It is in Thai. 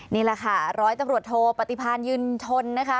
นี่แหละค่ะร้อยตำรวจโทปฏิพาณยืนทนนะคะ